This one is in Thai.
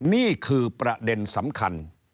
นี่คือประเด็นสำคัญ